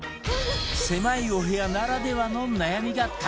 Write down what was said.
狭いお部屋ならではの悩みがたくさん！